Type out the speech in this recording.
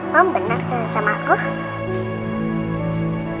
mama benar kena sama aku